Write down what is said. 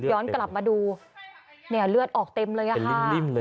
ย้อนกลับมาดูเนี่ยเลือดออกเต็มเลยอะค่ะ